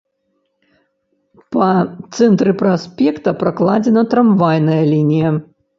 Па цэнтры праспекта пракладзена трамвайная лінія.